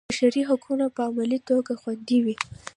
د بشر حقونه په عملي توګه خوندي وي.